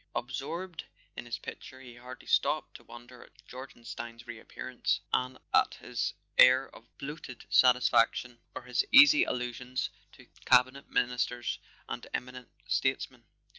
Absorbed in his picture, he hardly stopped to won¬ der at Jorgenstein's reappearance, at his air of bloated satisfaction or his easy allusions to Cabinet Ministers and eminent statesmen.